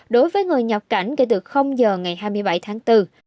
đối với người nhập cảnh kể từ giờ ngày hai mươi bảy tháng bốn